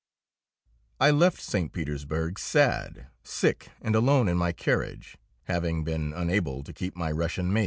I left St. Petersburg sad, sick and alone in my carriage, having been unable to keep my Russian maid.